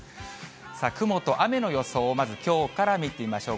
雲と雨の予想、まずきょうから見てみましょう。